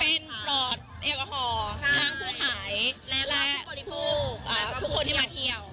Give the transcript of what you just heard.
เป็นปลอดแอลกอฮอล์ทั้งผู้ขายและผู้บริโภคทุกคนที่มาเที่ยว